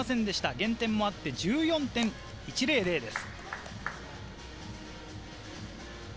減点もあって１４．１００です。